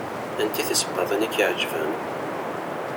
Aniti tisebbaḍin i ak-iɛeǧben?